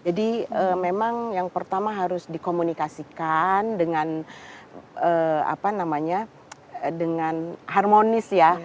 jadi memang yang pertama harus dikomunikasikan dengan harmonis ya